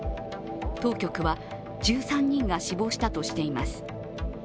当局は１３人が死亡したとしています。